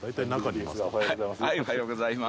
おはようございます。